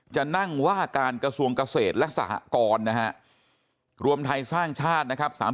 จะนั่งว่าการกระทรวงเกษตรและสหกรนะฮะรวมไทยสร้างชาตินะครับ